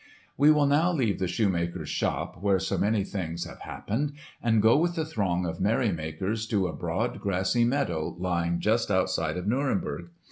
We will now leave the shoemaker's shop, where so many things have happened, and go with the throng of merrymakers to a broad grassy meadow lying just outside of Nuremberg.